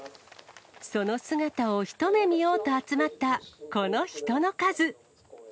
その姿を一目見ようと集まったこの人の数。